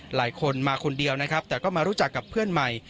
หลายคนมาคนเดียวนะครับแต่ก็มารู้จักกับเพื่อนใหม่